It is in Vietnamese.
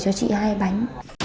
cho chị hai bánh